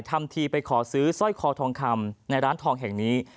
ทำทีไปขอซื้อสร้อยคอทองคำในร้านทองแห่งนี้